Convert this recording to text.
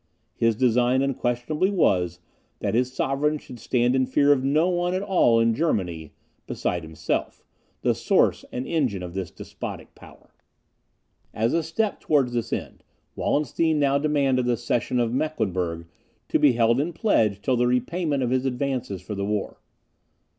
His design unquestionably was, that his sovereign should stand in fear of no one in all Germany besides himself, the source and engine of this despotic power. As a step towards this end, Wallenstein now demanded the cession of Mecklenburg, to be held in pledge till the repayment of his advances for the war.